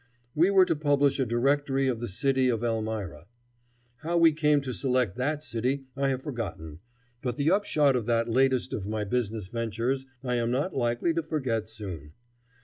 We were to publish a directory of the city of Elmira. How we came to select that city I have forgotten, but the upshot of that latest of my business ventures I am not likely to forget soon.